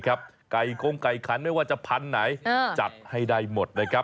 ไก่กรงไก่คันไม่ว่าจะพันไหนจัดให้ได้หมด